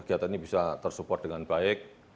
kegiatan ini bisa tersupport dengan baik